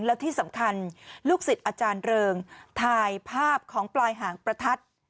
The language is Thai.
แล้วที่สำคัญลูกศิษย์อาจารย์เริงถ่ายภาพของปลายหางประทัด